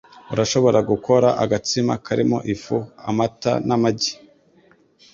Urashobora gukora agatsima karimo ifu, amata namagi.